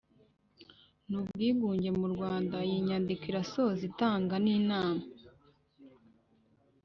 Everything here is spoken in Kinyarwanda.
N ubwigunge mu rwanda iyi nyandiko irasoza itanga n inama